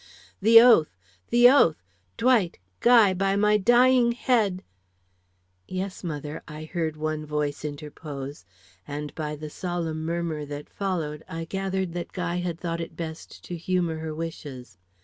"The oath! the oath! Dwight, Guy, by my dying head " "Yes, mother," I heard one voice interpose; and by the solemn murmur that followed, I gathered that Guy had thought it best to humor her wishes.